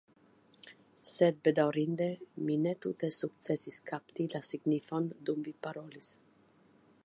Sed, bedaŭrinde mi ne tute sukcesis kapti la signifon dum vi parolis.